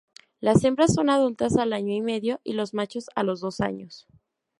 Las hembras son adultas al año y medio, los machos a los dos años.